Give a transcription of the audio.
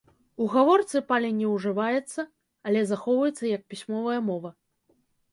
У гаворцы палі не ўжываецца, але захоўваецца як пісьмовая мова.